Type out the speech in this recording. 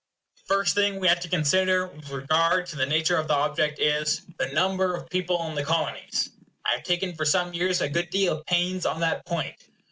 The first thing that we have to consider with regard to the nature of the object is the number of people in the Colonies. I have taken for some years a good deal of pains on that point.